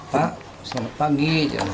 pak selamat pagi